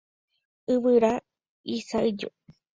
Yvyra isa'yju.